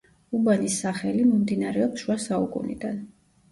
უბანის სახელი მომდინარეობს შუა საუკუნიდან.